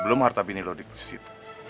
belum harta bini lo dikrisit